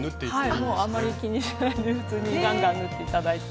もうあんまり気にしないで普通にガンガン縫って頂いて。